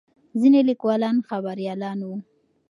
ځینې لیکوالان خبریالان وو.